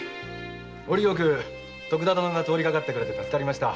折よく徳田殿が通りかかって助かりました。